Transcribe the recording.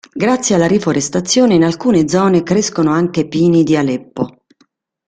Grazie alla riforestazione, in alcune zone crescono anche pini di Aleppo.